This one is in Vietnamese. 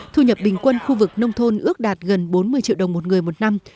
thu nhập bình quân khu vực nông thôn ước đạt gần bốn mươi triệu đồng một người một năm